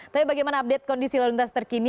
tapi bagaimana update kondisi lalu lintas terkini